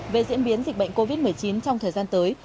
về diễn biến dịch bệnh covid một mươi chín trong thời gian tới